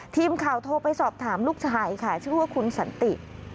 ทีมข่าวโทรไปสอบถามลูกชายค่ะชื่อว่าคุณสันติ